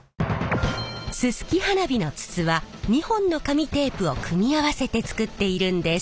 すすき花火の筒は２本の紙テープを組み合わせて作っているんです。